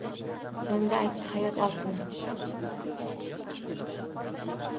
Tongda aytdi hayot otini